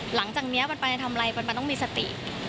หลังจากนี้มันไปทำอะไรมันต้องมีสติ